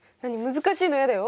難しいのやだよ。